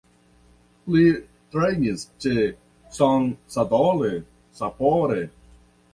Li trejnis ĉe Consadole Sapporo.